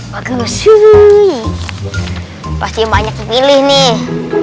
bagus sih pasti banyak dipilih nih